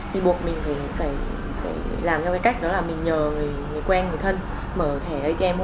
thì buộc mình phải làm theo cái cách đó là mình nhờ người quen người thân mở thẻ atm